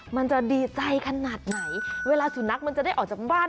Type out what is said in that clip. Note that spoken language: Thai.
มันจะดีใจขนาดไหนเวลาสุนัขมันจะได้ออกจากบ้าน